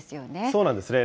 そうなんですね。